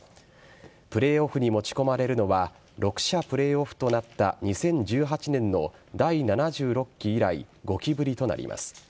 プレーオフに持ち込まれるのは６者プレーオフとなった２０１８年の第７６期以来５期ぶりとなります。